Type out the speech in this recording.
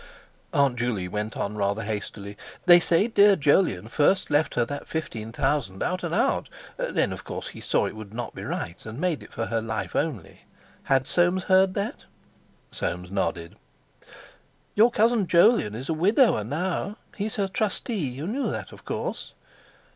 Aunt Juley went on rather hastily: "They say dear Jolyon first left her that fifteen thousand out and out; then of course he saw it would not be right, and made it for her life only." Had Soames heard that? Soames nodded. "Your cousin Jolyon is a widower now. He is her trustee; you knew that, of course?"